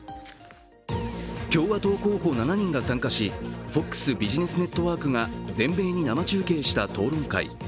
共和党候補７人が参加しフォックス・ビジネスネットワークが全米に生中継した討論会。